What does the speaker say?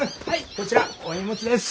こちらお荷物です！